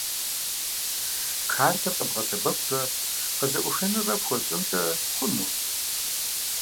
Картэр къэбгъэсэбэпурэ къызэӀухыныгъэ пхуэщӀынкӀэ хъуну?